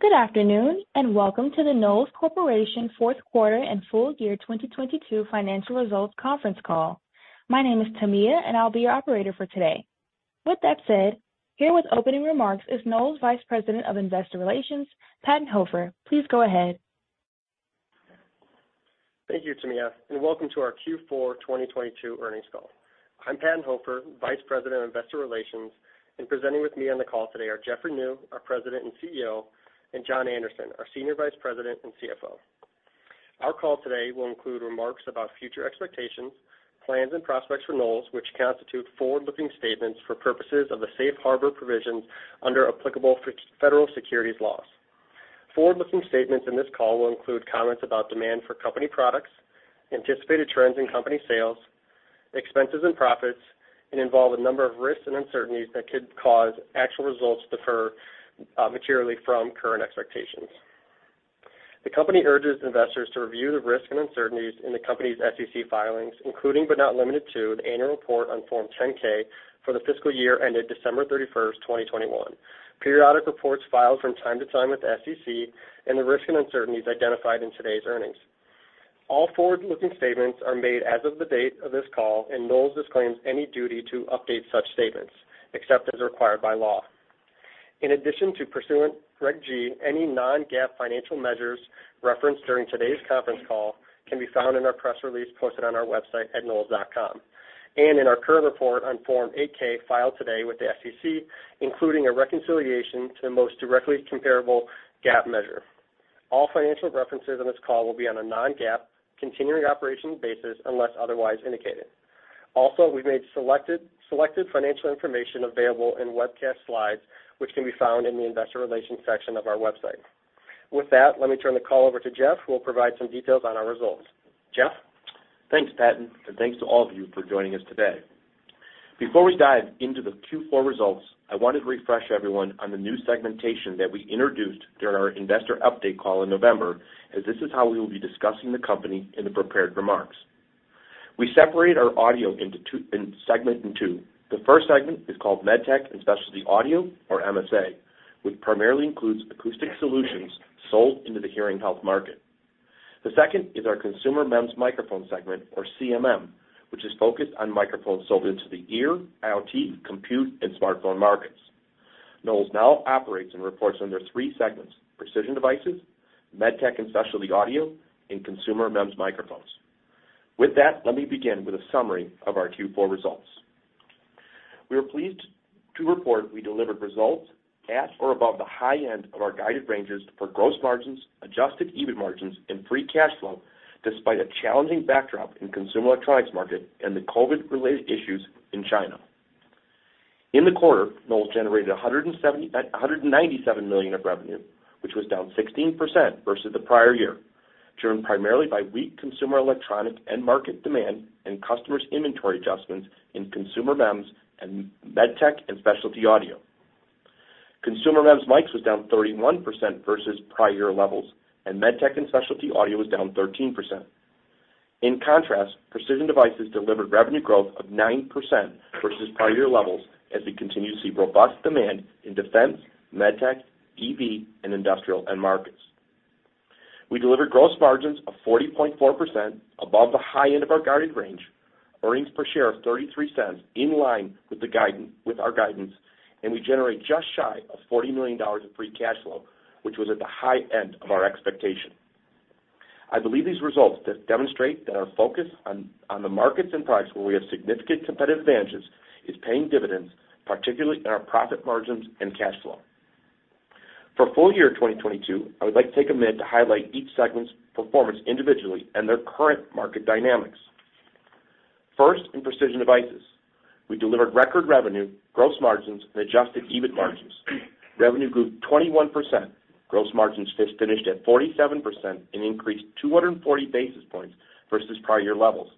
Good afternoon, and welcome to the Knowles Corporation Fourth Quarter and Full Year 2022 Financial Results Conference Call. My name is Tamiya, and I'll be your operator for today. With that said, here with opening remarks is Knowles Vice President of Investor Relations, Patton Hofer. Please go ahead. Thank you, Tamiya. Welcome to our Q4 2022 earnings call. I'm Patton Hofer, Vice President of Investor Relations. Presenting with me on the call today are Jeffrey Niew, our President and CEO, and John Anderson, our Senior Vice President and CFO. Our call today will include remarks about future expectations, plans, and prospects for Knowles, which constitute forward-looking statements for purposes of the safe harbor provisions under applicable federal securities laws. Forward-looking statements in this call will include comments about demand for company products, anticipated trends in company sales, expenses, and profits, and involve a number of risks and uncertainties that could cause actual results to differ materially from current expectations. The company urges investors to review the risks and uncertainties in the company's SEC filings, including, but not limited to, the annual report on Form 10-K for the fiscal year ended December 31st, 2021, periodic reports filed from time to time with the SEC, and the risks and uncertainties identified in today's earnings. All forward-looking statements are made as of the date of this call, and Knowles disclaims any duty to update such statements, except as required by law. In addition to pursuant to Reg G, any non-GAAP financial measures referenced during today's conference call can be found in our press release posted on our website at knowles.com, and in our current report on Form 8-K filed today with the SEC, including a reconciliation to the most directly comparable GAAP measure. All financial references on this call will be on a non-GAAP continuing operations basis unless otherwise indicated. We've made selected financial information available in webcast slides, which can be found in the Investor Relations section of our website. With that, let me turn the call over to Jeff, who will provide some details on our results. Jeff? Thanks, Patton, and thanks to all of you for joining us today. Before we dive into the Q4 results, I wanted to refresh everyone on the new segmentation that we introduced during our investor update call in November, as this is how we will be discussing the company in the prepared remarks. We separate our audio segment into two. The first segment is called MedTech & Specialty Audio, or MSA, which primarily includes acoustic solutions sold into the hearing health market. The second is our Consumer MEMS Microphone segment, or CMM, which is focused on microphones sold into the ear, IoT, compute, and smartphone markets. Knowles now operates and reports under three segments, Precision Devices, MedTech & Specialty Audio, and Consumer MEMS Microphones. With that, let me begin with a summary of our Q4 results. We are pleased to report we delivered results at or above the high end of our guided ranges for gross margins, Adjusted EBIT margins, and free cash flow, despite a challenging backdrop in consumer electronics market and the COVID-related issues in China. In the quarter, Knowles generated $197 million of revenue, which was down 16% versus the prior-year, driven primarily by weak consumer electronics end market demand and customers' inventory adjustments in Consumer MEMS and MedTech & Specialty Audio. Consumer MEMS mics was down 31% versus prior-year levels, and MedTech & Specialty Audio was down 13%. In contrast, Precision Devices delivered revenue growth of 9% versus prior-year levels as we continue to see robust demand in defense, MedTech, EV, and industrial end markets. We delivered gross margins of 40.4% above the high end of our guided range, earnings per share of $0.33, in line with our guidance, We generate just shy of $40 million of free cash flow, which was at the high end of our expectation. I believe these results demonstrate that our focus on the markets and products where we have significant competitive advantages is paying dividends, particularly in our profit margins and cash flow. For full year 2022, I would like to take a minute to highlight each segment's performance individually and their current market dynamics. First, in Precision Devices, we delivered record revenue, gross margins, and Adjusted EBIT margins. Revenue grew 21%. Gross margins finished at 47% Increased 240 basis points versus prior year levels.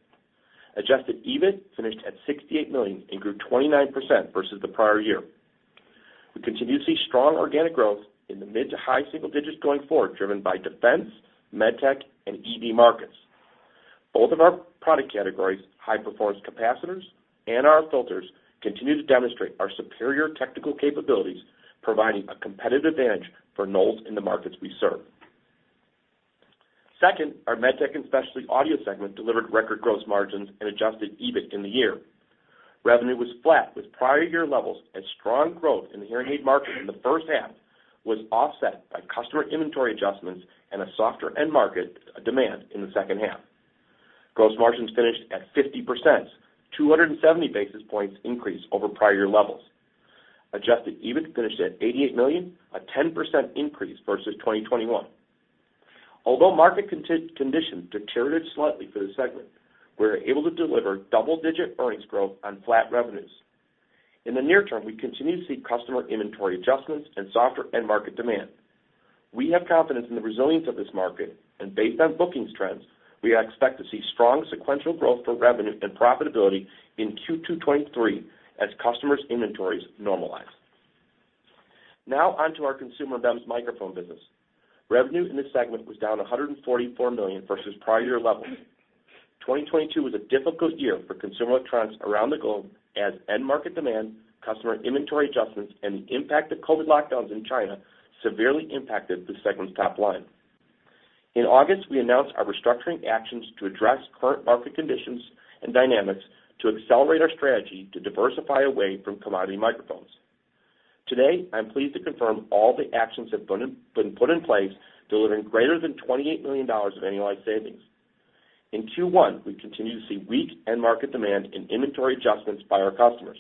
Adjusted EBIT finished at $68 million and grew 29% versus the prior year. We continue to see strong organic growth in the mid to high single digits going forward, driven by defense, MedTech, and EV markets. Both of our product categories, high-performance capacitors and RF filters, continue to demonstrate our superior technical capabilities, providing a competitive advantage for Knowles in the markets we serve. Second, our MedTech & Specialty Audio segment delivered record gross margins and Adjusted EBIT in the year. Revenue was flat with prior year levels, as strong growth in the hearing aid market in the first half was offset by customer inventory adjustments and a softer end market demand in the second half. Gross margins finished at 50%, 270 basis points increase over prior year levels. Adjusted EBIT finished at $88 million, a 10% increase versus 2021. Although market condition deteriorated slightly for the segment, we were able to deliver double-digit earnings growth on flat revenues. In the near term, we continue to see customer inventory adjustments and softer end market demand. We have confidence in the resilience of this market, and based on bookings trends, we expect to see strong sequential growth for revenue and profitability in Q2 2023 as customers' inventories normalize. Now on to our Consumer MEMS Microphones business. Revenue in this segment was down $144 million versus prior year levels. 2022 was a difficult year for consumer electronics around the globe as end market demand, customer inventory adjustments, and the impact of COVID lockdowns in China severely impacted the segment's top line. In August, we announced our restructuring actions to address current market conditions and dynamics to accelerate our strategy to diversify away from commodity microphones. Today, I'm pleased to confirm all the actions have been put in place, delivering greater than $28 million of annualized savings. In Q1, we continue to see weak end market demand and inventory adjustments by our customers.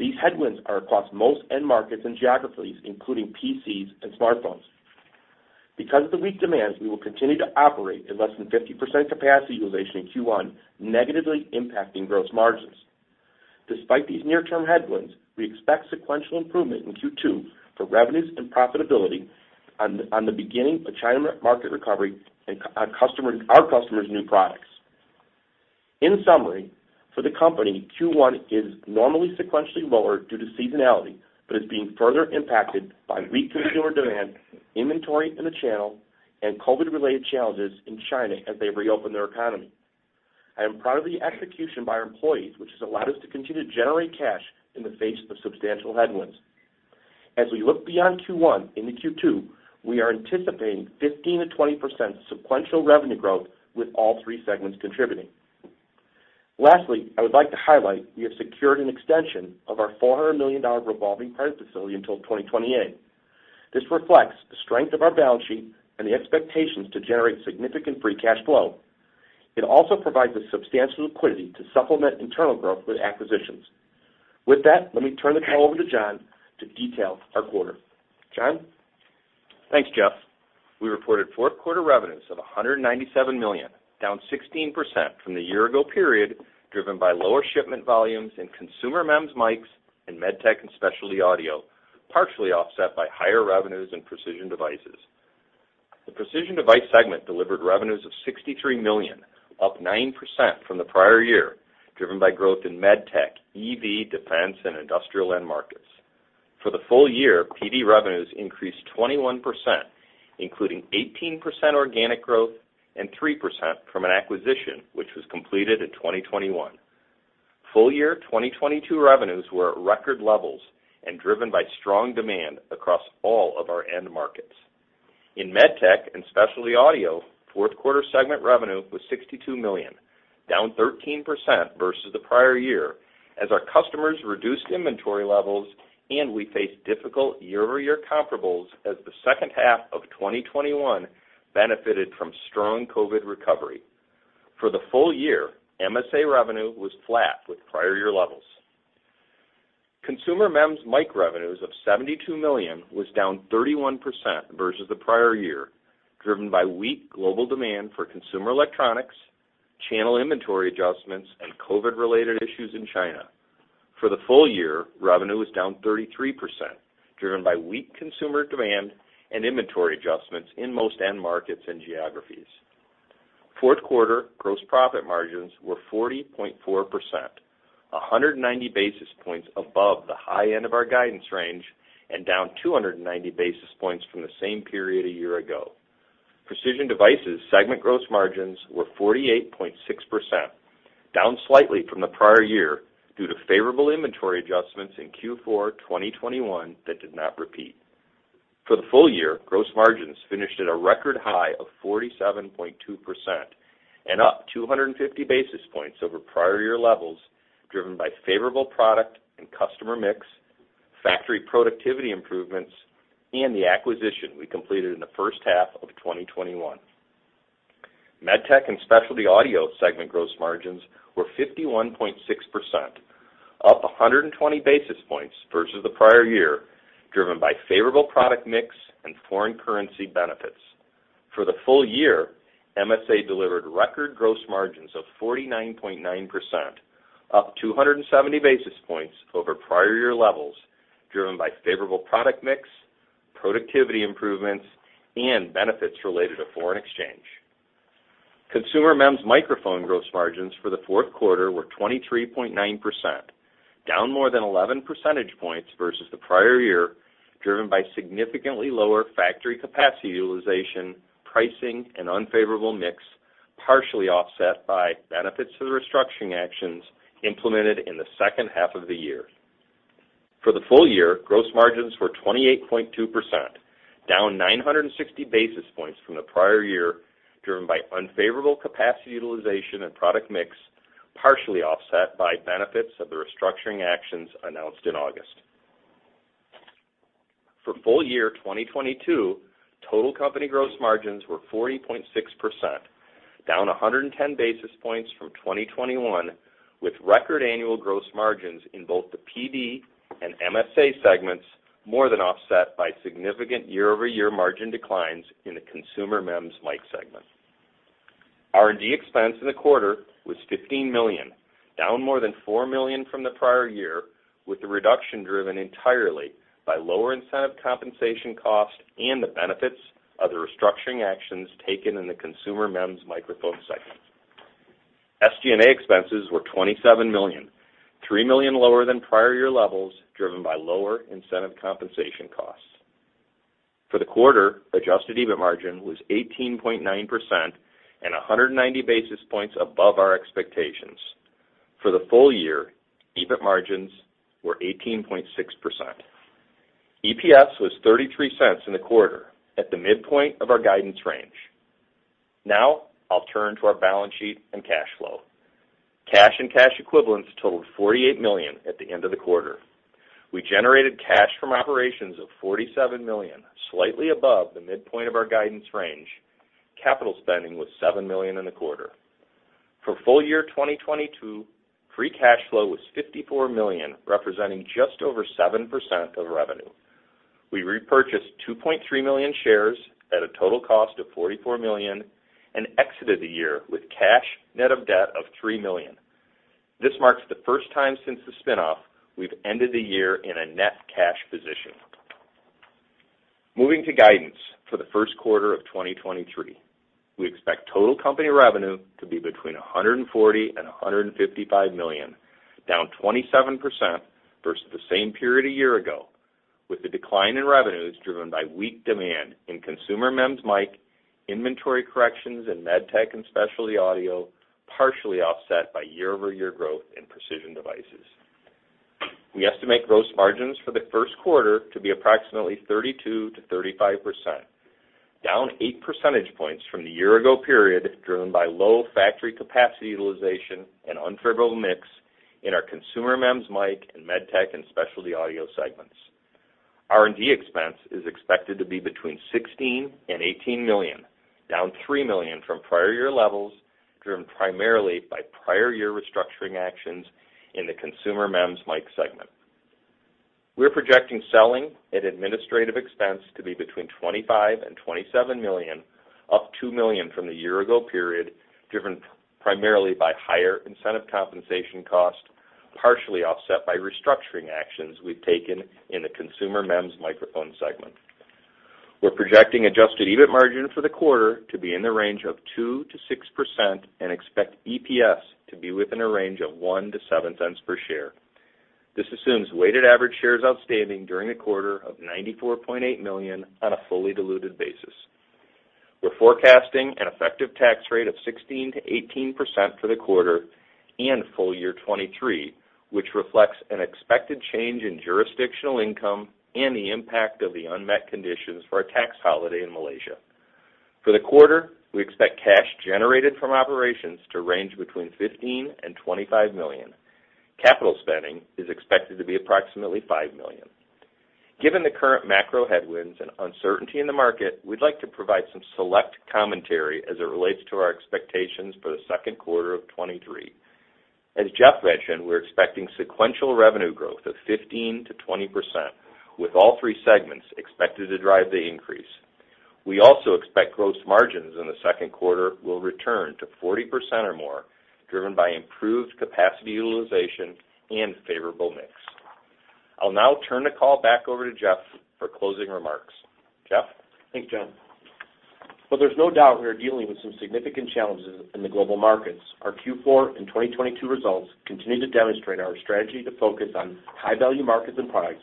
These headwinds are across most end markets and geographies, including PCs and smartphones. Because of the weak demands, we will continue to operate at less than 50% capacity utilization in Q1, negatively impacting gross margins. Despite these near-term headwinds, we expect sequential improvement in Q2 for revenues and profitability on the beginning of China market recovery and our customers' new products. In summary, for the company, Q1 is normally sequentially lower due to seasonality, but is being further impacted by weak consumer demand, inventory in the channel, and COVID-related challenges in China as they reopen their economy. I am proud of the execution by our employees, which has allowed us to continue to generate cash in the face of substantial headwinds. As we look beyond Q1 into Q2, we are anticipating 15%-20% sequential revenue growth with all three segments contributing. Lastly, I would like to highlight we have secured an extension of our $400 million revolving credit facility until 2028. This reflects the strength of our balance sheet and the expectations to generate significant free cash flow. It also provides the substantial liquidity to supplement internal growth with acquisitions. With that, let me turn the call over to John to detail our quarter. John? Thanks, Jeff. We reported fourth quarter revenues of $197 million, down 16% from the year-ago period, driven by lower shipment volumes in Consumer MEMS mics and MedTech & Specialty Audio, partially offset by higher revenues in Precision Devices. The Precision Devices segment delivered revenues of $63 million, up 9% from the prior year, driven by growth in MedTech, EV, defense, and industrial end markets. For the full year, PD revenues increased 21%, including 18% organic growth and 3% from an acquisition, which was completed in 2021. Full year 2022 revenues were at record levels and driven by strong demand across all of our end markets. In MedTech & Specialty Audio, fourth quarter segment revenue was $62 million, down 13% versus the prior year as our customers reduced inventory levels. We faced difficult year-over-year comparables as the second half of 2021 benefited from strong COVID recovery. For the full year, MSA revenue was flat with prior year levels. Consumer MEMS mic revenues of $72 million was down 31% versus the prior year, driven by weak global demand for consumer electronics, channel inventory adjustments, COVID-related issues in China. For the full year, revenue was down 33%, driven by weak consumer demand and inventory adjustments in most end markets and geographies. Fourth quarter gross profit margins were 40.4%, 190 basis points above the high end of our guidance range. Down 290 basis points from the same period a year ago. Precision Devices segment gross margins were 48.6%, down slightly from the prior year due to favorable inventory adjustments in Q4 2021 that did not repeat. For the full year, gross margins finished at a record high of 47.2% and up 250 basis points over prior year levels, driven by favorable product and customer mix, factory productivity improvements, and the acquisition we completed in the first half of 2021. MedTech & Specialty Audio segment gross margins were 51.6%, up 120 basis points versus the prior year, driven by favorable product mix and foreign currency benefits. For the full year, MSA delivered record gross margins of 49.9%, up 270 basis points over prior year levels, driven by favorable product mix, productivity improvements, and benefits related to foreign exchange. Consumer MEMS Microphones gross margins for the fourth quarter were 23.9%, down more than 11 percentage points versus the prior year, driven by significantly lower factory capacity utilization, pricing, and unfavorable mix, partially offset by benefits to the restructuring actions implemented in the second half of the year. For the full year, gross margins were 28.2%, down 960 basis points from the prior year, driven by unfavorable capacity utilization and product mix, partially offset by benefits of the restructuring actions announced in August. For full year 2022, total company gross margins were 40.6%, down 110 basis points from 2021, with record annual gross margins in both the PD and MSA segments more than offset by significant year-over-year margin declines in the Consumer MEMS mic segment. R&D expense in the quarter was $15 million, down more than $4 million from the prior year, with the reduction driven entirely by lower incentive compensation costs and the benefits of the restructuring actions taken in the Consumer MEMS Microphones segment. SG&A expenses were $27 million, $3 million lower than prior year levels, driven by lower incentive compensation costs. For the quarter, Adjusted EBIT margin was 18.9% and 190 basis points above our expectations. For the full year, EBIT margins were 18.6%. EPS was $0.33 in the quarter at the midpoint of our guidance range. Now I'll turn to our balance sheet and cash flow. Cash and cash equivalents totaled $48 million at the end of the quarter. We generated cash from operations of $47 million, slightly above the midpoint of our guidance range. Capital spending was $7 million in the quarter. For full year 2022, free cash flow was $54 million, representing just over 7% of revenue. We repurchased 2.3 million shares at a total cost of $44 million and exited the year with cash net of debt of $3 million. This marks the first time since the spin-off we've ended the year in a net cash position. Moving to guidance for the first quarter of 2023. We expect total company revenue to be between $140 million and $155 million, down 27% versus the same period a year ago, with the decline in revenues driven by weak demand in Consumer MEMS mic, inventory corrections in MedTech & Specialty Audio, partially offset by year-over-year growth in Precision Devices. We estimate gross margins for the first quarter to be approximately 32%-35%, down 8 percentage points from the year-ago period, driven by low factory capacity utilization and unfavorable mix in our Consumer MEMS mic and MedTech & Specialty Audio segments. R&D expense is expected to be between $16 million and $18 million, down $3 million from prior-year levels, driven primarily by prior-year restructuring actions in the Consumer MEMS mic segment. We're projecting selling and administrative expense to be between $25 million and $27 million, up $2 million from the year-ago period, driven primarily by higher incentive compensation cost, partially offset by restructuring actions we've taken in the Consumer MEMS Microphones segment. We're projecting Adjusted EBIT margin for the quarter to be in the range of 2%-6% and expect EPS to be within a range of $0.01-$0.07 per share. This assumes weighted average shares outstanding during the quarter of $94.8 million on a fully diluted basis. We're forecasting an effective tax rate of 16%-18% for the quarter and full year 2023, which reflects an expected change in jurisdictional income and the impact of the unmet conditions for a tax holiday in Malaysia. For the quarter, we expect cash generated from operations to range between $15 million and $25 million. Capital spending is expected to be approximately $5 million. Given the current macro headwinds and uncertainty in the market, we'd like to provide some select commentary as it relates to our expectations for the second quarter of 2023. As Jeff mentioned, we're expecting sequential revenue growth of 15%-20%, with all three segments expected to drive the increase. We also expect gross margins in the second quarter will return to 40% or more, driven by improved capacity utilization and favorable mix. I'll now turn the call back over to Jeff for closing remarks. Jeff? Thanks, John. While there's no doubt we are dealing with some significant challenges in the global markets, our Q4 and 2022 results continue to demonstrate our strategy to focus on high-value markets and products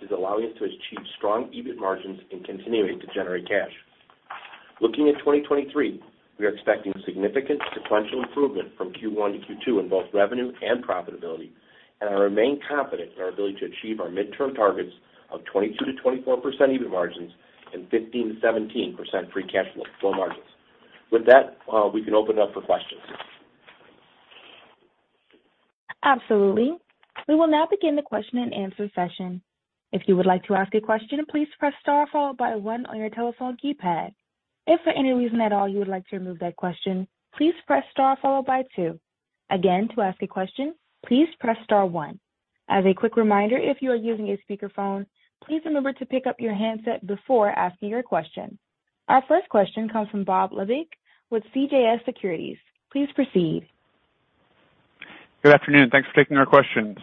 is allowing us to achieve strong EBIT margins and continuing to generate cash. Looking at 2023, we are expecting significant sequential improvement from Q1 to Q2 in both revenue and profitability and remain confident in our ability to achieve our midterm targets of 22%-24% EBIT margins and 15%-17% free cash flow margins. With that, we can open up for questions. Absolutely. We will now begin the question-and-answer session. If you would like to ask a question, please press star followed by one on your telephone keypad. If for any reason at all you would like to remove that question, please press star followed by two. Again, to ask a question, please press star one. As a quick reminder, if you are using a speakerphone, please remember to pick up your handset before asking your question. Our first question comes from Bob Labick with CJS Securities. Please proceed. Good afternoon. Thanks for taking our questions.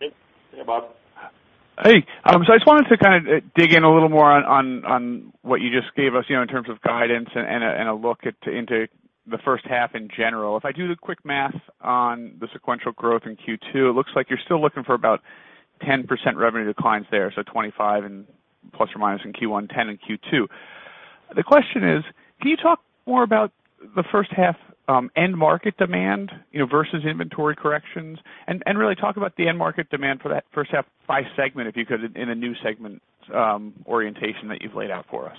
Hey. Hey, Bob. Hey. I just wanted to kind of dig in a little more on what you just gave us, you know, in terms of guidance and a look into the first half in general. If I do the quick math on the sequential growth in Q2, it looks like you're still looking for about 10% revenue declines there. ±25% in Q1, 10% in Q2. The question is, can you talk more about the first half, end market demand, you know, versus inventory corrections? Really talk about the end market demand for that first half by segment, if you could, in the new segment, orientation that you've laid out for us.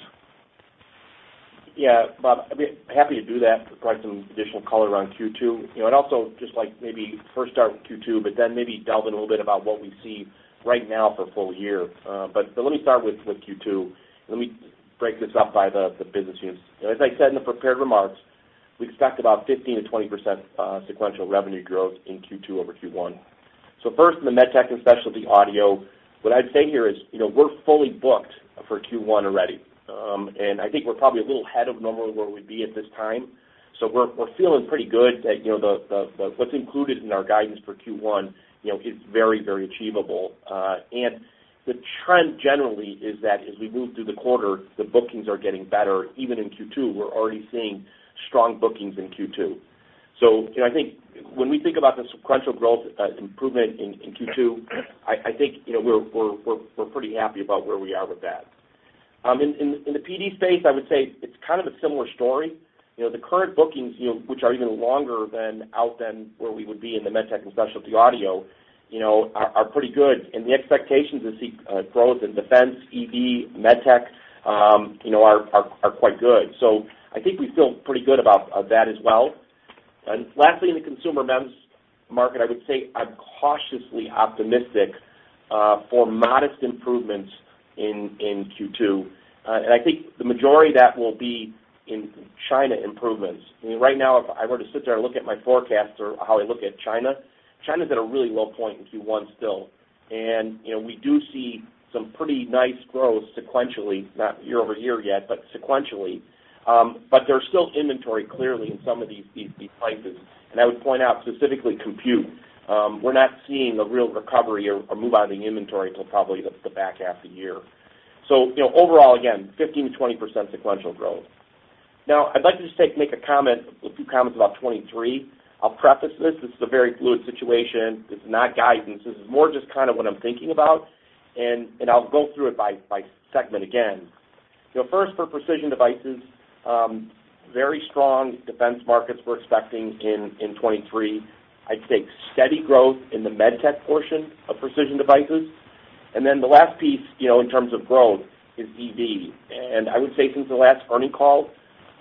Yeah, Bob Labick, I'd be happy to do that, provide some additional color around Q2. You know, also just like maybe first start with Q2, then maybe delve in a little bit about what we see right now for full year. Let me start with Q2. Let me break this up by the business units. As I said in the prepared remarks, we expect about 15%-20% sequential revenue growth in Q2 over Q1. First in the MedTech & Specialty Audio, what I'd say here is, you know, we're fully booked for Q1 already. I think we're probably a little ahead of normally where we'd be at this time. We're feeling pretty good that, you know, the what's included in our guidance for Q1, you know, is very achievable. The trend generally is that as we move through the quarter, the bookings are getting better. Even in Q2, we're already seeing strong bookings in Q2. You know, I think when we think about the sequential growth, improvement in Q2, I think, you know, we're pretty happy about where we are with that. In the PD space, I would say it's kind of a similar story. You know, the current bookings, you know, which are even longer than out than where we would be in the MedTech & Specialty Audio, you know, are pretty good. The expectations to see growth in defense, EV, MedTech, you know, are quite good. I think we feel pretty good about that as well. Lastly, in the Consumer MEMS market, I would say I'm cautiously optimistic for modest improvements in Q2. I think the majority of that will be in China improvements. I mean, right now, if I were to sit there and look at my forecast for how I look at China's at a really low point in Q1 still. You know, we do see some pretty nice growth sequentially, not year-over-year yet, but sequentially. There's still inventory clearly in some of these places. I would point out specifically compute. We're not seeing a real recovery or move out of the inventory till probably the back half of the year. You know, overall, again, 15%-20% sequential growth. Now, I'd like to just make a few comments about 2023. I'll preface this. This is a very fluid situation. This is not guidance. This is more just kind of what I'm thinking about, and I'll go through it by segment again. You know, first for Precision Devices, very strong defense markets we're expecting in 2023. I'd say steady growth in the MedTech portion of Precision Devices. The last piece, you know, in terms of growth is EV. I would say since the last earning call,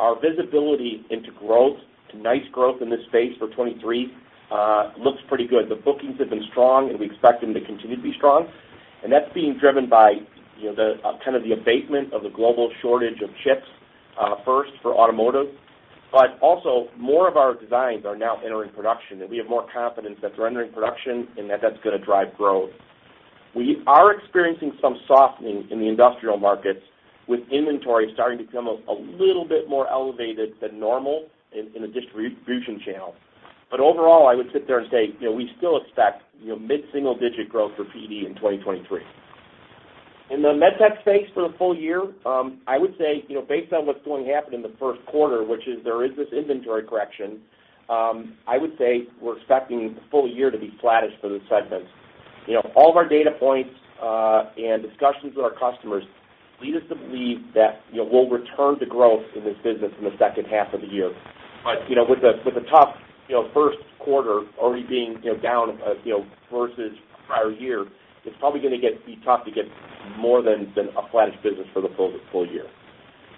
our visibility into growth, to nice growth in this space for 2023, looks pretty good. The bookings have been strong, and we expect them to continue to be strong. That's being driven by, you know, the kind of the abatement of the global shortage of chips, first for automotive. Also more of our designs are now entering production, and we have more confidence that they're entering production and that that's gonna drive growth. We are experiencing some softening in the industrial markets with inventory starting to become a little bit more elevated than normal in the distribution channel. Overall, I would sit there and say, you know, we still expect, you know, mid-single digit growth for PD in 2023. In the MedTech space for the full year, I would say, you know, based on what's going to happen in the first quarter, which is there is this inventory correction, I would say we're expecting the full year to be flattish for this segment. You know, all of our data points, and discussions with our customers lead us to believe that, you know, we'll return to growth in this business in the second half of the year. You know, with the, with the tough, you know, first quarter already being, you know, down, you know, versus prior year, it's probably gonna be tough to get more than a flattish business for the full year.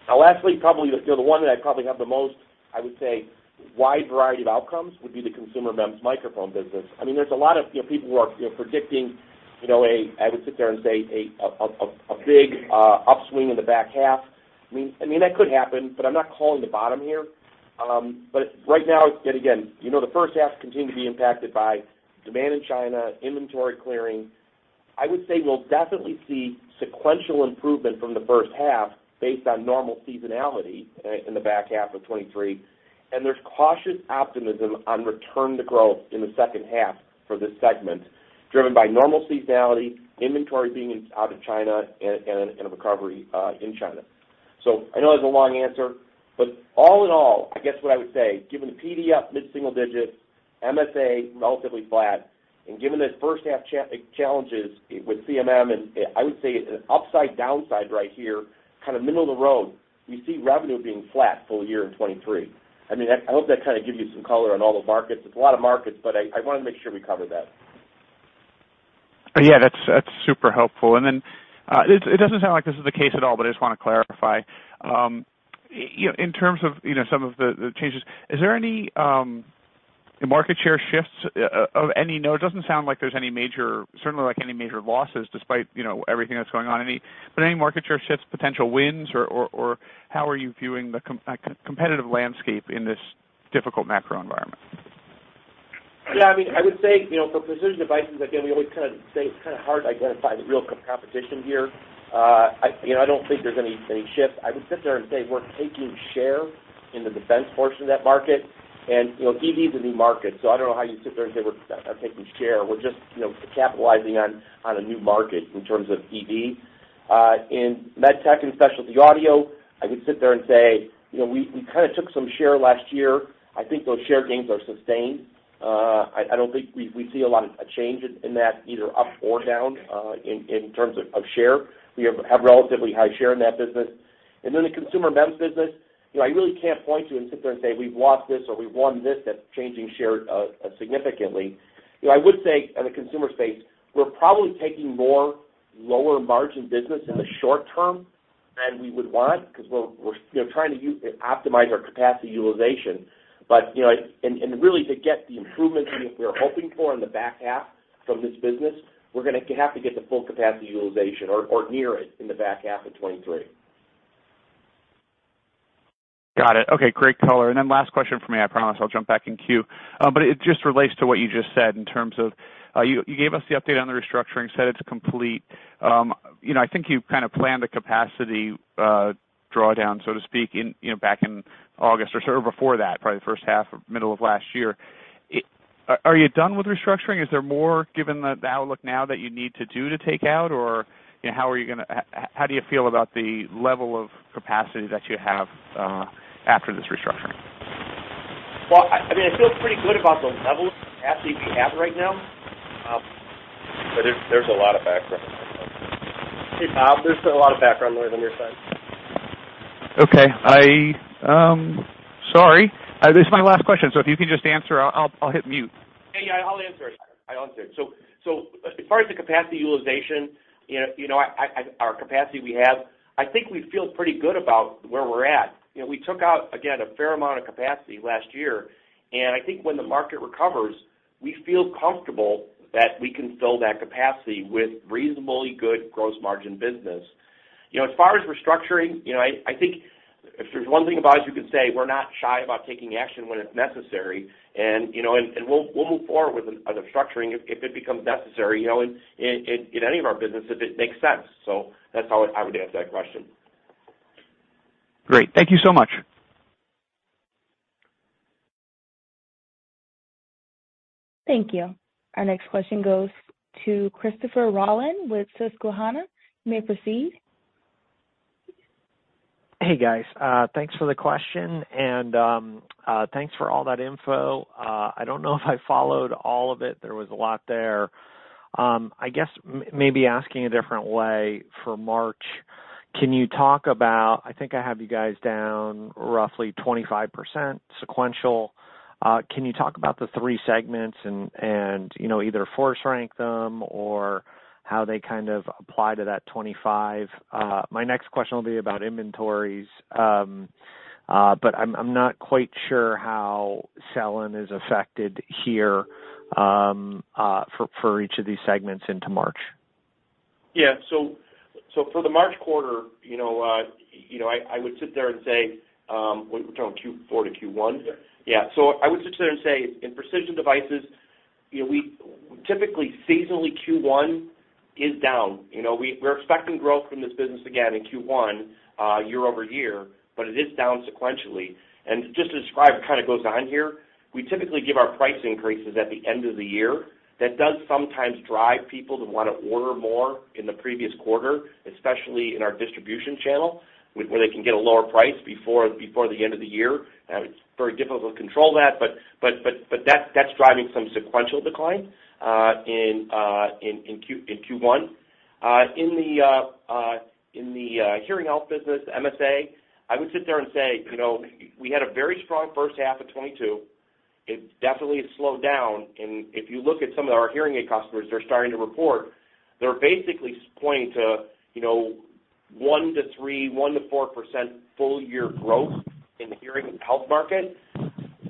Lastly, probably the, you know, the one that I probably have the most, I would say, wide variety of outcomes would be the Consumer MEMS microphone business. I mean, there's a lot of, you know, people who are, you know, predicting, you know, I would sit there and say a big upswing in the back half. I mean, that could happen, but I'm not calling the bottom here. Right now, yet again, you know, the first half continue to be impacted by demand in China, inventory clearing. I would say we'll definitely see sequential improvement from the first half based on normal seasonality in the back half of 2023. There's cautious optimism on return to growth in the second half for this segment, driven by normal seasonality, inventory being out of China and a recovery in China. I know that's a long answer, but all in all, I guess what I would say, given the PD mid-single digits, MSA relatively flat, and given the first half challenges with CMM, and I would say an upside downside right here, kind of middle of the road, we see revenue being flat full year in 2023. I mean, I hope that kind of gives you some color on all the markets. It's a lot of markets, but I wanna make sure we cover that. Yeah, that's super helpful. It doesn't sound like this is the case at all, but I just wanna clarify. You know, in terms of, you know, some of the changes, is there any market share shifts of any note? Doesn't sound like there's any major, certainly like any major losses despite, you know, everything that's going on. Any market share shifts, potential wins or how are you viewing the competitive landscape in this difficult macro environment? Yeah, I mean, I would say, you know, for Precision Devices, again, we always kind of say it's kind of hard to identify the real competition here. I, you know, I don't think there's any shifts. I would sit there and say we're taking share in the defense portion of that market. You know, EV is a new market, so I don't know how you sit there and say we're taking share. We're just, you know, capitalizing on a new market in terms of EV. In MedTech & Specialty Audio, I would sit there and say, you know, we kind of took some share last year. I think those share gains are sustained. I don't think we see a lot of change in that either up or down in terms of share. We have relatively high share in that business. The consumer MEMS business, you know, I really can't point to and sit there and say we've lost this or we've won this, that's changing share significantly. You know, I would say in the consumer space, we're probably taking more lower margin business in the short term than we would want because we're, you know, trying to optimize our capacity utilization. You know, and really to get the improvements we are hoping for in the back half from this business, we're gonna have to get the full capacity utilization or near it in the back half of 2023. Got it. Okay, great color. Last question from me, I promise. I'll jump back in queue. It just relates to what you just said in terms of, you gave us the update on the restructuring, said it's complete. You know, I think you kind of planned the capacity drawdown, so to speak, in, you know, back in August or sort of before that, probably the first half or middle of last year. Are you done with restructuring? Is there more given the outlook now that you need to do to take out? You know, how do you feel about the level of capacity that you have after this restructuring? I mean, I feel pretty good about the level of capacity we have right now. There's a lot of background noise. Hey, Bob, there's a lot of background noise on your side. Okay. Sorry. This is my last question, so if you can just answer, I'll hit mute. Yeah, I'll answer it. As far as the capacity utilization, you know, I, our capacity we have, I think we feel pretty good about where we're at. You know, we took out, again, a fair amount of capacity last year, and I think when the market recovers, we feel comfortable that we can fill that capacity with reasonably good gross margin business. As far as restructuring, you know, I think if there's one thing about us you could say, we're not shy about taking action when it's necessary. You know, and we'll move forward with a restructuring if it becomes necessary, you know, in any of our business if it makes sense. That's how I would answer that question. Great. Thank you so much. Thank you. Our next question goes to Christopher Rolland with Susquehanna. You may proceed. Hey, guys. Thanks for the question, and thanks for all that info. I don't know if I followed all of it. There was a lot there. I guess maybe asking a different way for March. I think I have you guys down roughly 25% sequential. Can you talk about the three segments and, you know, either force rank them or how they kind of apply to that 25? My next question will be about inventories, but I'm not quite sure how sell-in is affected here, for each of these segments into March. Yeah. For the March quarter, you know, I would sit there and say, we're talking Q4 to Q1? Yeah. Yeah. I would sit there and say in Precision Devices, you know, Typically, seasonally, Q1 is down. You know, we're expecting growth from this business again in Q1 year-over-year, but it is down sequentially. Just to describe kind of goes on here, we typically give our price increases at the end of the year. That does sometimes drive people to wanna order more in the previous quarter, especially in our distribution channel where they can get a lower price before the end of the year. It's very difficult to control that, but that's driving some sequential decline in Q1. In the hearing health business, MSA, I would sit there and say, you know, we had a very strong first half of 2022. It definitely slowed down. If you look at some of our hearing aid customers that are starting to report, they're basically pointing to, you know, 1%-3%, 1%-4% full year growth in the hearing and health market,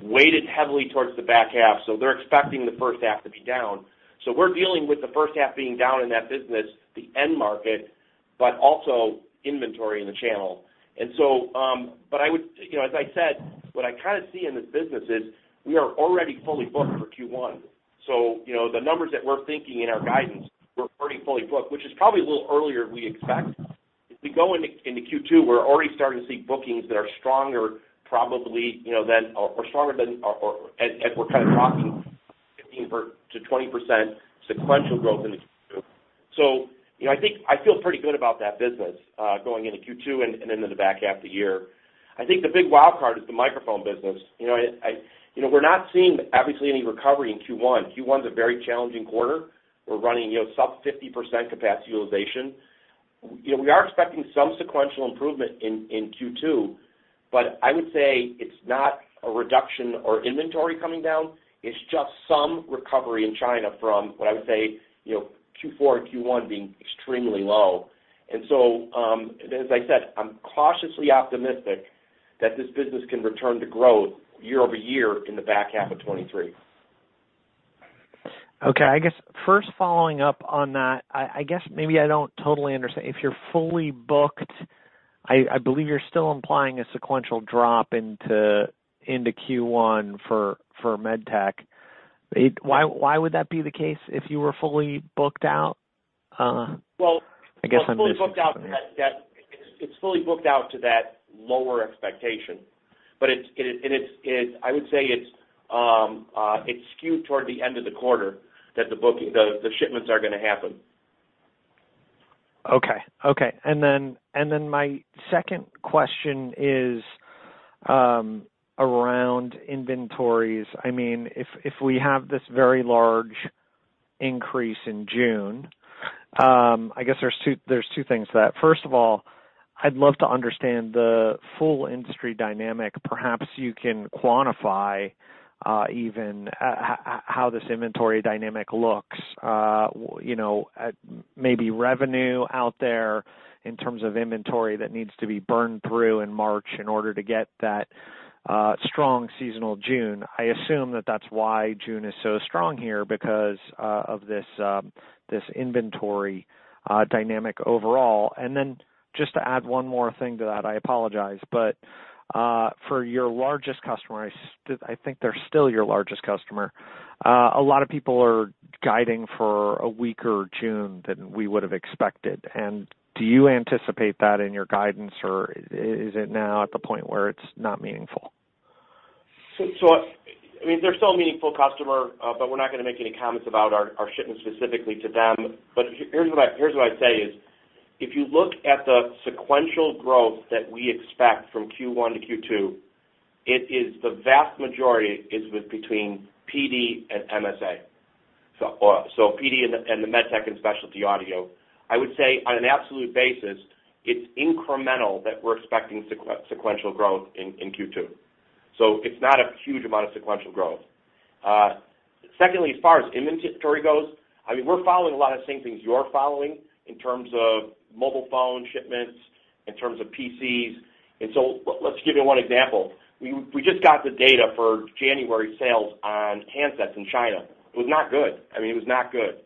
weighted heavily towards the back half. They're expecting the first half to be down. We're dealing with the first half being down in that business, the end market, but also inventory in the channel. You know, as I said, what I kind of see in this business is we are already fully booked for Q1. You know, the numbers that we're thinking in our guidance, we're already fully booked, which is probably a little earlier we expect. As we go into Q2, we're already starting to see bookings that are stronger probably, you know, than or stronger than. As we're kind of rocking 15%-20% sequential growth in the Q2. You know, I think I feel pretty good about that business going into Q2 and then in the back half of the year. I think the big wildcard is the microphone business. You know, we're not seeing obviously any recovery in Q1. Q1's a very challenging quarter. We're running, you know, sub 50% capacity utilization. You know, we are expecting some sequential improvement in Q2, I would say it's not a reduction or inventory coming down. It's just some recovery in China from what I would say, you know, Q4 and Q1 being extremely low. As I said, I'm cautiously optimistic that this business can return to growth year-over-year in the back half of 2023. Okay. I guess first following up on that, I guess maybe I don't totally understand. If you're fully booked, I believe you're still implying a sequential drop into Q1 for MedTech. Why would that be the case if you were fully booked out? Well- I guess I'm missing something there. Well, fully booked out that. It's fully booked out to that lower expectation. I would say it's skewed toward the end of the quarter that the shipments are gonna happen. Okay. Okay. My second question is around inventories. I mean, if we have this very large increase in June, I guess there's two things to that. First of all, I'd love to understand the full industry dynamic. Perhaps you can quantify how this inventory dynamic looks, you know, at maybe revenue out there in terms of inventory that needs to be burned through in March in order to get that strong seasonal June. I assume that that's why June is so strong here because of this inventory dynamic overall. Just to add one more thing to that, I apologize, but for your largest customer, I think they're still your largest customer, a lot of people are guiding for a weaker June than we would've expected. Do you anticipate that in your guidance, or is it now at the point where it's not meaningful? I mean, they're still a meaningful customer, but we're not gonna make any comments about our shipments specifically to them. Here's what I, here's what I'd say is, if you look at the sequential growth that we expect from Q1 to Q2, it is the vast majority is with between PD and MSA. Or so PD and the MedTech & Specialty Audio. I would say on an absolute basis, it's incremental that we're expecting sequential growth in Q2. It's not a huge amount of sequential growth. Secondly, as far as inventory goes, I mean, we're following a lot of same things you are following in terms of mobile phone shipments, in terms of PCs. Let's give you one example. We just got the data for January sales on handsets in China. It was not good. I mean, it was not good.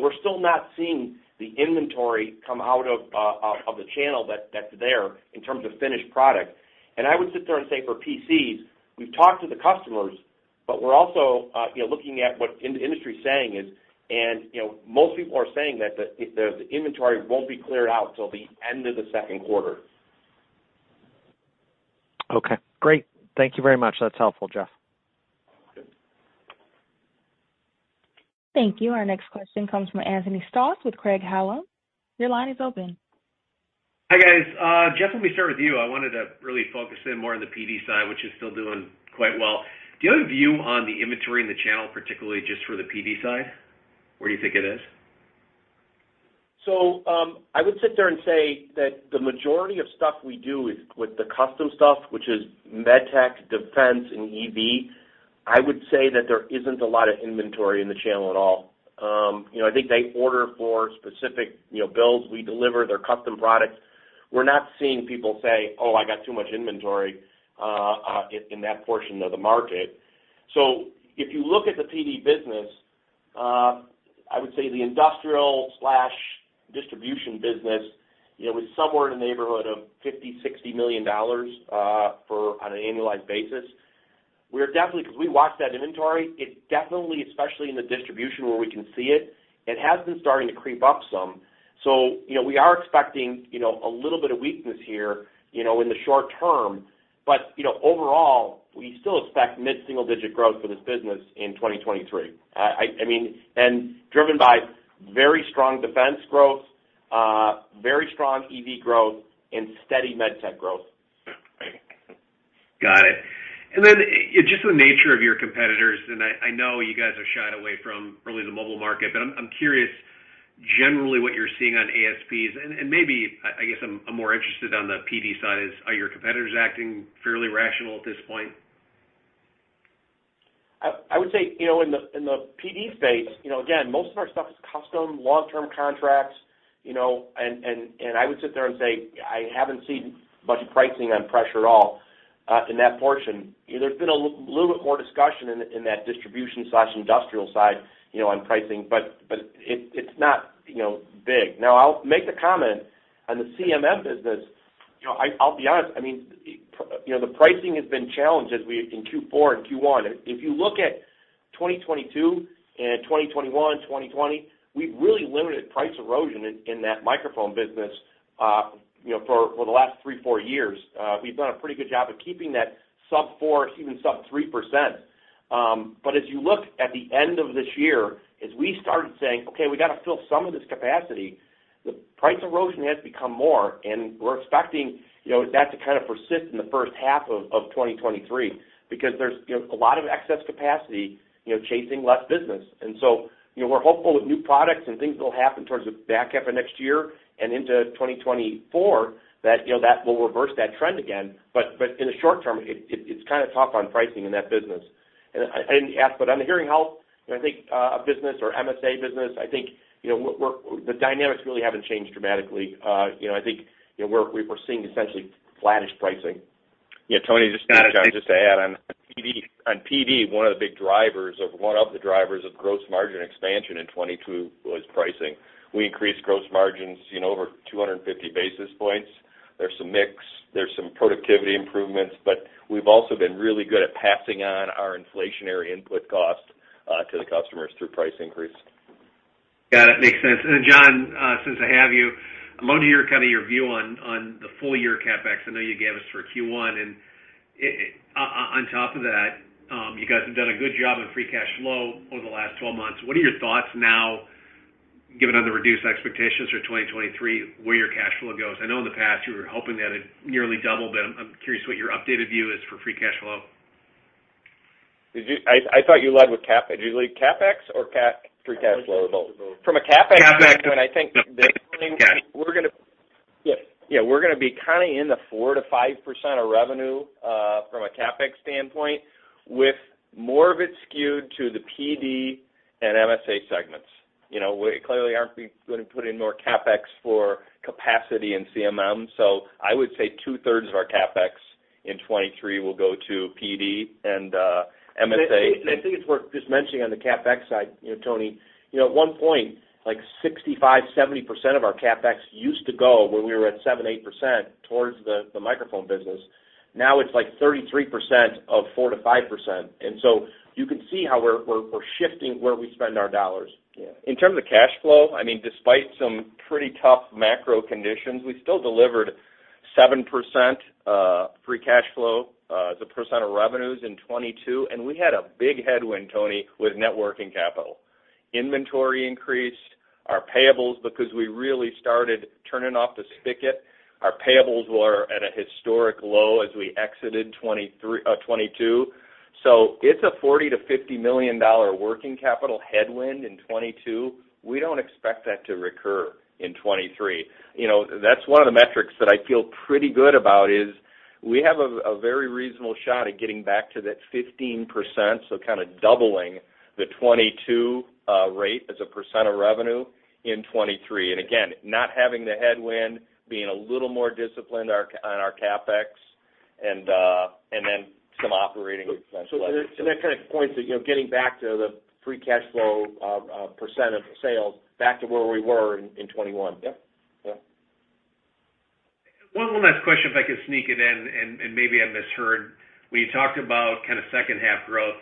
We're still not seeing the inventory come out of the channel that's there in terms of finished product. I would sit there and say for PCs, we've talked to the customers, but we're also, you know, looking at what the industry is saying is, you know, most people are saying that the inventory won't be cleared out till the end of the second quarter. Okay. Great. Thank you very much. That's helpful, Jeff. Thank you. Our next question comes from Anthony Stoss with Craig-Hallum. Your line is open. Hi, guys. Jeff, let me start with you. I wanted to really focus in more on the PD side, which is still doing quite well. Do you have a view on the inventory in the channel, particularly just for the PD side, where you think it is? I would sit there and say that the majority of stuff we do is with the custom stuff, which is MedTech, defense and EV. I would say that there isn't a lot of inventory in the channel at all. You know, I think they order for specific, you know, builds. We deliver their custom products. We're not seeing people say, "Oh, I got too much inventory," in that portion of the market. If you look at the PD business, I would say the industrial/distribution business, you know, was somewhere in the neighborhood of $50 million-$60 million for on an annualized basis. We're definitely, because we watch that inventory, it definitely, especially in the distribution where we can see it has been starting to creep up some. You know, we are expecting, you know, a little bit of weakness here, you know, in the short term. You know, overall, we still expect mid-single digit growth for this business in 2023. I mean, driven by very strong defense growth, very strong EV growth and steady MedTech growth. Got it. Just the nature of your competitors, and I know you guys have shied away from really the mobile market, but I'm curious generally what you're seeing on ASPs and maybe, I guess I'm more interested on the PD side is, are your competitors acting fairly rational at this point? I would say, you know, in the PD space, you know, again, most of our stuff is custom long-term contracts, you know, and I would sit there and say, I haven't seen much pricing pressure at all in that portion. You know, there's been a little bit more discussion in that distribution/industrial side, you know, on pricing, but it's not, you know, big. I'll make the comment on the CMM business. You know, I'll be honest, I mean, you know, the pricing has been challenged as we in Q4 and Q1. If you look at 2022 and 2021, 2020, we've really limited price erosion in that microphone business, you know, for the last three, four years. We've done a pretty good job of keeping that sub 4%, even sub 3%. As you look at the end of this year, as we started saying, "Okay, we gotta fill some of this capacity," the price erosion has become more, and we're expecting, you know, that to kind of persist in the first half of 2023 because there's, you know, a lot of excess capacity, you know, chasing less business. You know, we're hopeful with new products and things that'll happen towards the back half of next year and into 2024 that, you know, that will reverse that trend again. In the short term, it's kind of tough on pricing in that business. I didn't ask, but on the hearing health, you know, I think business or MSA business, I think, you know, we're the dynamics really haven't changed dramatically. You know, I think, you know, we're foreseeing essentially flattish pricing. Yeah. Tony, Got it. John, just to add on PD, one of the big drivers or one of the drivers of gross margin expansion in 2022 was pricing. We increased gross margins, you know, over 250 basis points. There's some mix, there's some productivity improvements, but we've also been really good at passing on our inflationary input cost to the customers through price increase. Got it. Makes sense. John, since I have you, I'm wanting to hear kind of your view on the full year CapEx. I know you gave us for Q1, on top of that, you guys have done a good job on free cash flow over the last 12 months. What are your thoughts now, given on the reduced expectations for 2023, where your cash flow goes? I know in the past you were hoping that it'd nearly double, but I'm curious what your updated view is for free cash flow. I thought you led with CapEx? Did you lead CapEx or free cash flow? I led with both. From a CapEx standpoint, I think. Yeah. We're gonna be kind of in the 4%-5% of revenue from a CapEx standpoint with more of it skewed to the PD and MSA segments. You know, we clearly aren't gonna put in more CapEx for capacity in CMM. I would say two-thirds of our CapEx in 2023 will go to PD and MSA. I think it's worth just mentioning on the CapEx side, you know, Tony, you know, at one point, like 65%-70% of our CapEx used to go when we were at 7%-8% towards the microphone business. Now it's like 33% of 4%-5%. You can see how we're shifting where we spend our dollars. Yeah. In terms of cash flow, I mean, despite some pretty tough macro conditions, we still delivered. 7% free cash flow as a percent of revenues in 2022. We had a big headwind, Anthony, with networking capital. Inventory increased our payables because we really started turning off the spigot. Our payables were at a historic low as we exited 2022. It's a $40 million-$50 million working capital headwind in 2022. We don't expect that to recur in 2023. You know, that's one of the metrics that I feel pretty good about, is we have a very reasonable shot at getting back to that 15%. Kinda doubling the 2022 rate as a percent of revenue in 2023. Not having the headwind, being a little more disciplined on our CapEx and then some operating expenses. That kind of points to, you know, getting back to the free cash flow, percent of sales back to where we were in 2021. Yep. Yep. One last question, if I could sneak it in, and maybe I misheard. When you talked about kind of second half growth,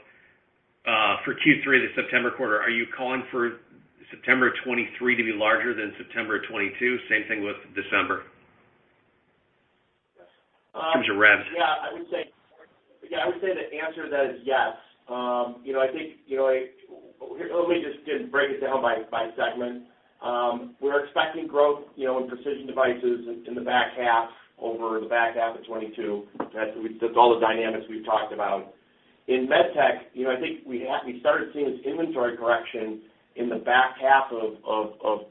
for Q3, the September quarter, are you calling for September of 2023 to be larger than September of 2022? Same thing with December? Um. In terms of rev. Yeah, I would say the answer to that is yes. I think, you know, let me just break it down by segment. We're expecting growth, you know, in Precision Devices in the back half over the back half of 2022. That's all the dynamics we've talked about. In MedTech, you know, I think we started seeing this inventory correction in the back half of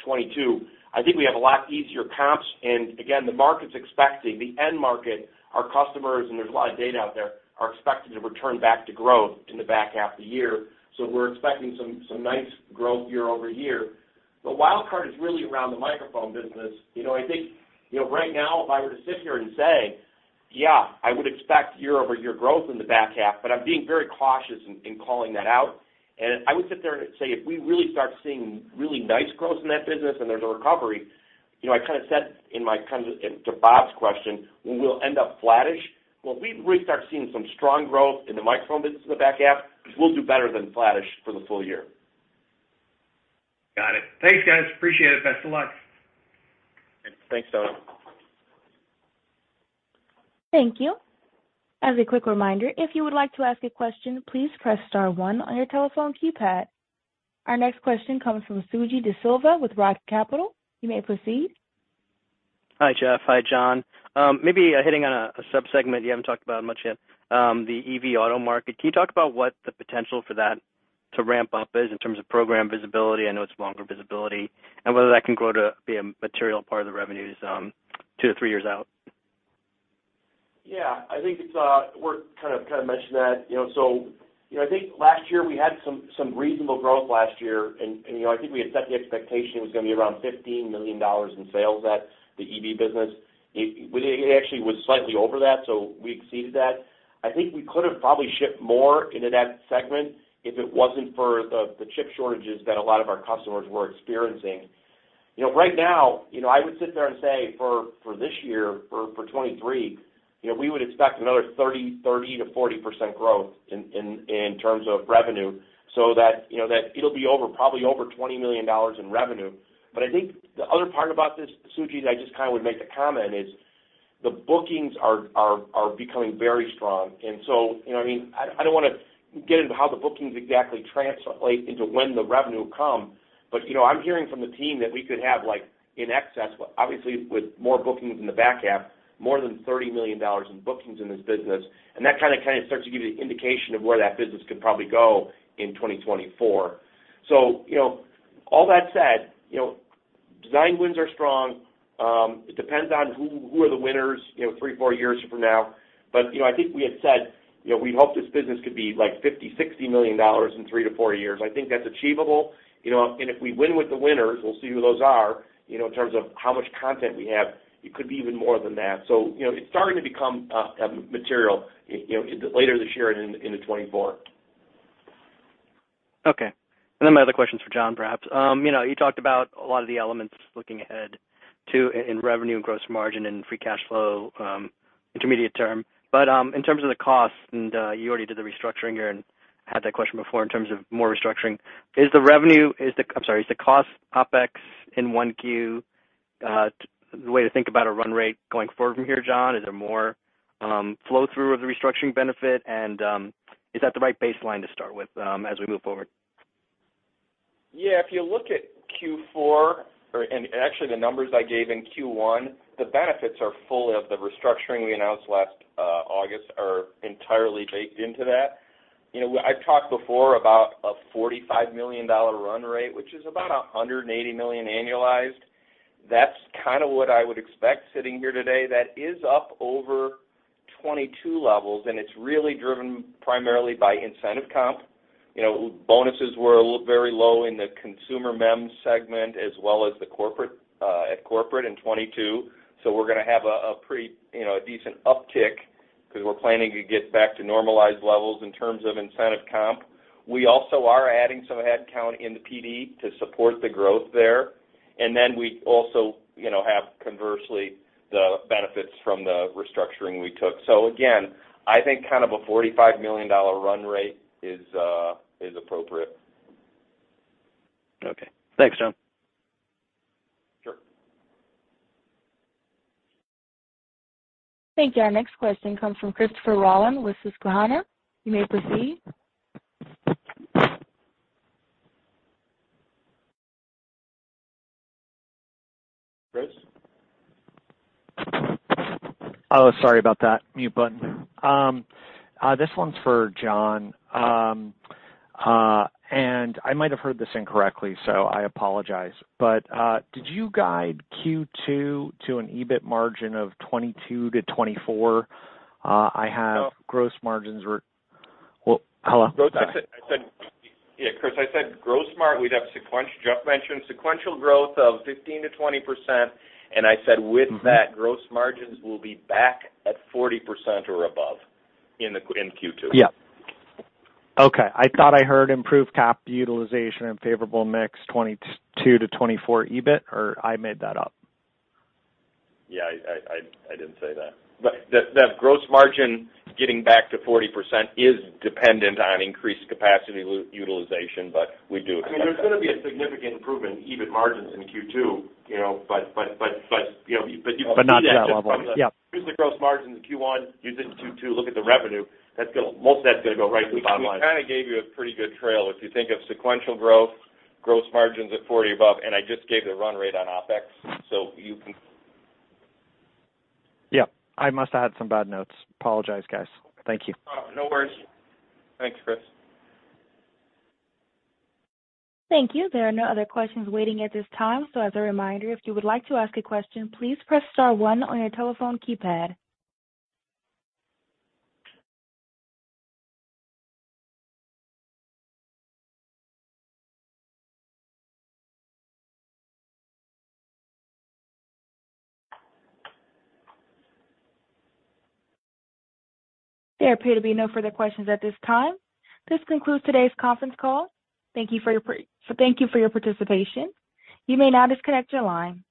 2022. I think we have a lot easier comps. Again, the market's expecting the end market, our customers, and there's a lot of data out there, are expected to return back to growth in the back half of the year. We're expecting some nice growth year-over-year. The wild card is really around the microphone business. You know, I think, you know, right now, if I were to sit here and say, "Yeah, I would expect year-over-year growth in the back half," I'm being very cautious in calling that out. I would sit there and say, if we really start seeing really nice growth in that business and there's a recovery, you know, I kind of said to Bob's question, we will end up flattish. Well, if we really start seeing some strong growth in the microphone business in the back half, we'll do better than flattish for the full year. Got it. Thanks, guys. Appreciate it. Best of luck. Thanks, Tony. Thank you. As a quick reminder, if you would like to ask a question, please press star one on your telephone keypad. Our next question comes from Suji Desilva with Roth Capital Partners. You may proceed. Hi, Jeff. Hi, John. maybe, hitting on a sub-segment you haven't talked about much yet, the EV auto market. Can you talk about what the potential for that to ramp up is in terms of program visibility? I know it's longer visibility. Whether that can grow to be a material part of the revenues, two to three years out. Yeah, I think it's kind of mentioned that. You know, I think last year we had some reasonable growth last year and, you know, I think we had set the expectation it was gonna be around $15 million in sales at the EV business. It actually was slightly over that, so we exceeded that. I think we could have probably shipped more into that segment if it wasn't for the chip shortages that a lot of our customers were experiencing. You know, right now, I would sit there and say for this year, for 2023, you know, we would expect another 30%-40% growth in terms of revenue, you know, that it'll be over, probably over $20 million in revenue. I think the other part about this, Suji, that I just kind of would make the comment is, the bookings are becoming very strong. You know what I mean, I don't wanna get into how the bookings exactly translate into when the revenue will come, but, you know, I'm hearing from the team that we could have like in excess, obviously with more bookings in the back half, more than $30 million in bookings in this business. That kinda starts to give you an indication of where that business could probably go in 2024. You know, all that said, you know, design wins are strong. It depends on who are the winners, you know, three, four years from now. You know, I think we had said, you know, we hope this business could be like $50 million-$60 million in three-four years. I think that's achievable, you know, and if we win with the winners, we'll see who those are, you know, in terms of how much content we have, it could be even more than that. you know, it's starting to become material, you know, later this year and into 2024. Okay. My other question is for John, perhaps. you know, you talked about a lot of the elements looking ahead too in revenue and gross margin and free cash flow, intermediate term. In terms of the cost, and, you already did the restructuring here and had that question before in terms of more restructuring. Is the cost OpEx in 1Q, the way to think about a run rate going forward from here, John? Is there more flow through of the restructuring benefit? Is that the right baseline to start with, as we move forward? If you look at Q4 and actually the numbers I gave in Q1, the benefits are full of the restructuring we announced last August are entirely baked into that. You know, I've talked before about a $45 million run rate, which is about $180 million annualized. That's kinda what I would expect sitting here today. That is up over 2022 levels, it's really driven primarily by incentive comp. You know, bonuses were very low in the Consumer MEMS segment as well as the corporate at corporate in 2022. We're gonna have a pretty, you know, a decent uptick because we're planning to get back to normalized levels in terms of incentive comp. We also are adding some headcount in the PD to support the growth there. We also, you know, have conversely the benefits from the restructuring we took. Again, I think kind of a $45 million run rate is appropriate. Thanks, John. Sure. Thank you. Our next question comes from Christopher Rolland with Susquehanna. You may proceed. Chris? Oh, sorry about that. Mute button. This one's for John. I might have heard this incorrectly, so I apologize, but did you guide Q2 to an EBIT margin of 22%-24%? No. Gross margins were... Well, hello? I said, Yeah, Chris, I said gross margin. Jeff mentioned sequential growth of 15%-20%. I said with that gross margins will be back at 40% or above in Q2. Yeah. Okay. I thought I heard improved cap utilization and favorable mix, 22%-24% EBIT, or I made that up? Yeah, I didn't say that. The gross margin getting back to 40% is dependent on increased capacity utilization, but we do expect that. I mean, there's gonna be a significant improvement in EBIT margins in Q2, you know? You know, but you can see that. Not to that level. Yeah. Use the gross margins in Q1. Use it to look at the revenue. Most of that's gonna go right to the bottom line. We kinda gave you a pretty good trail. If you think of sequential growth, gross margins at 40% above, I just gave the run rate on OpEx, so you can... Yeah. I must have had some bad notes. Apologize, guys. Thank you. Oh, no worries. Thanks, Chris. Thank you. There are no other questions waiting at this time. As a reminder, if you would like to ask a question, please press star one on your telephone keypad. There appear to be no further questions at this time. This concludes today's conference call. Thank you for your participation. You may now disconnect your line.